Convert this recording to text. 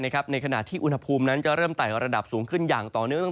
ในขณะที่อุณหภูมินั้นจะเริ่มไต่ระดับสูงขึ้นอย่างต่อเนื่อง